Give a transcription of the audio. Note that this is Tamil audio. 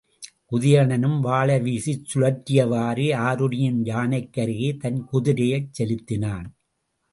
உதயணனும் வாளை வீசிச் சுழற்றியவாறே ஆருணியின் யானைக்கு அருகே தன் குதிரையைச் செலுத்தினான்.